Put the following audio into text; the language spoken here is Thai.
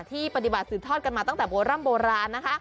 ที่ปฏิบัติสืบทอดกันมาตั้งแต่โบร่ำโบราณนะคะ